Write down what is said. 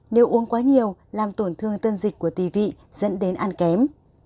nếu uống quá nhiều làm tổn thương tâm dịch của tì vị dẫn đến ăn kém